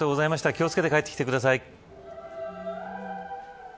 気を付けて帰ってきてください。